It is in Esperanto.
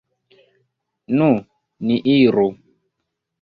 Nu, ni iru.